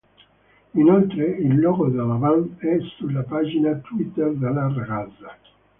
Inoltre il logo della band è sulla pagina Twitter della ragazza.